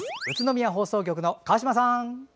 宇都宮放送局の川島さん！